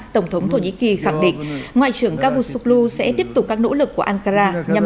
tổng thống thổ nhĩ kỳ khẳng định ngoại trưởng kavusoglu sẽ tiếp tục các nỗ lực của ankara nhằm